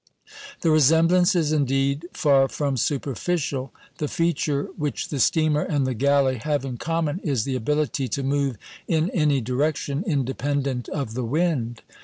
The resemblance is indeed far from superficial. The feature which the steamer and the galley have in common is the ability to move in any direction independent of the wind.